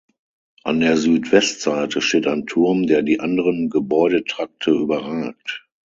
An der Südwestseite steht ein Turm, der die anderen Gebäudetrakte überragt.